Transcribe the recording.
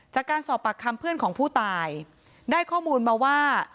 จากการสอบปากคำเพื่อนของผู้ตายได้ข้อมูลมาว่า